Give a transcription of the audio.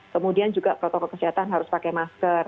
kemudian juga protokol kesehatan harus pakai masker